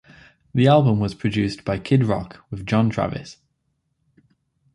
The album was produced by Kid Rock with John Travis.